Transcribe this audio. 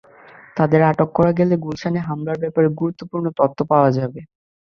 তাদের আটক করা গেলে গুলশানে হামলার ব্যাপারে গুরুত্বপূর্ণ তথ্য পাওয়া যাবে।